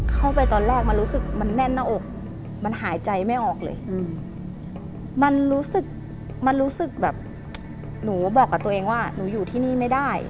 เข้าไปตอนแรกมันรู้สึกมันแน่นหน้าอกมันหายใจไม่ออกเลยมันรู้สึกมันรู้สึกแบบหนูบอกกับตัวเองว่าหนูอยู่ที่นี่ไม่ได้